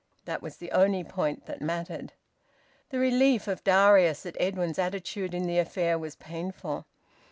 That was the only point that mattered. The relief of Darius at Edwin's attitude in the affair was painful.